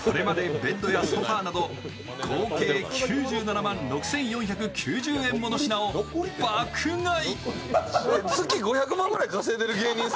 ベッドやソファーなど合計９７万６４９０円の品を爆買い。